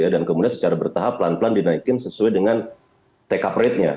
dan kemudian secara bertahap pelan pelan dinaikin sesuai dengan take up ratenya